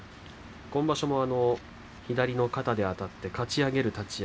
今場所も左の肩であたってかち上げる立ち合い。